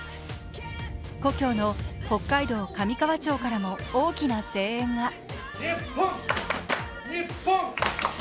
故郷の北海道上川町からも大きな声援が。